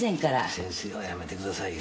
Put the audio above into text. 先生はやめてくださいよ。